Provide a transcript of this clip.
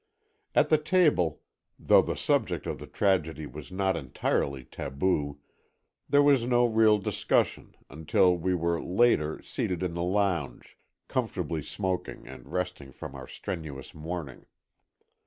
At the table, though the subject of the tragedy was not entirely taboo, there was no real discussion, until we were, later, seated in the lounge, comfortably smoking and resting from our strenuous morning.